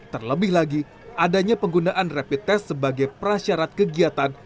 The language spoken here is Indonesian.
terlebih lagi adanya penggunaan rapid test sebagai prasyarat kegiatan